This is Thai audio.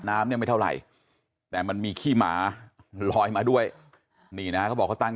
น้ำเนี่ยไม่เท่าไหร่แต่มันมีขี้หมาลอยมาด้วยนี่นะเขาบอกเขาตั้ง